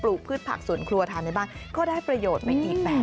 ปลูกพืชผักสวนครัวทานได้บ้างก็ได้ประโยชน์ไปอีกแปด๑